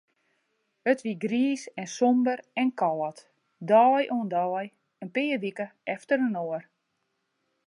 It wie griis en somber en kâld, dei oan dei, in pear wike efterinoar.